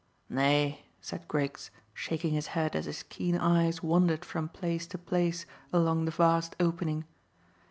"Nay," said Griggs, shaking his head as his keen eyes wandered from place to place along the vast opening.